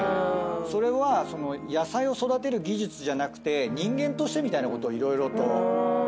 それは野菜を育てる技術じゃなくて人間としてみたいなことを色々と。